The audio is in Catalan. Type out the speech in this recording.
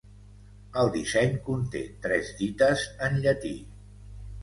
El disseny conté tres dites en llatí.